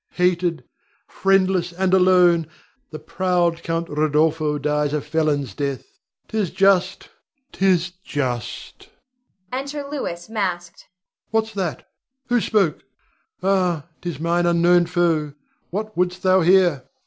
Hated, friendless, and alone, the proud Count Rodolpho dies a felon's death. 'Tis just, 'tis just! [Enter Louis masked.] What's that? Who spoke? Ah, 'tis mine unknown foe. What wouldst thou here?